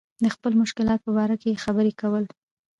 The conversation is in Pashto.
د خپلو مشکلاتو په باره کې خبرې کول.